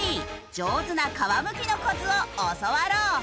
上手な皮むきのコツを教わろう！